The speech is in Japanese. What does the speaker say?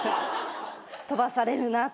飛ばされるなと。